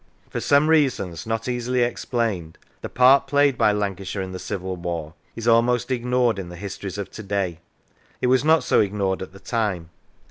For some reasons, not easily explained, the part played by Lancashire in the Civil War is almost ignored in the histories of to day. It was not so ignored at the time.